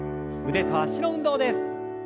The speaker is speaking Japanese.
腕と脚の運動です。